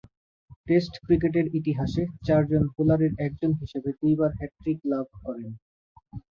Test ক্রিকেটের ইতিহাসে চারজন বোলারের একজন হিসেবে দুইবার হ্যাট্রিক লাভ করেন।